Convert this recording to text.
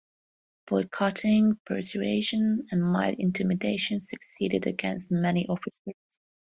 Boycotting, persuasion and mild intimidation succeeded against many officers.